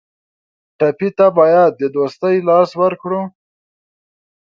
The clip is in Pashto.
ټپي ته باید د دوستۍ لاس ورکړو.